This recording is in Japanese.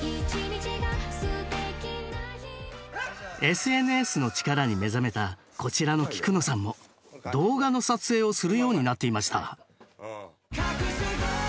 ＳＮＳの力に目覚めたこちらの菊野さんも動画の撮影をするようになっていました。